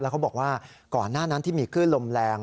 แล้วก็บอกว่าก่อนหน้านั้นที่มีขึ้นลมแรง